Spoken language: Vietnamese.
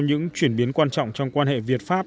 những chuyển biến quan trọng trong quan hệ việt pháp